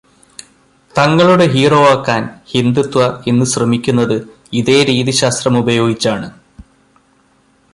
തങ്ങളുടെ ഹീറോ ആക്കാന് ഹിന്ദുത്വ ഇന്ന് ശ്രമിക്കുന്നത് ഇതേ രീതിശാസ്ത്രമുപയോഗിച്ചാണ്.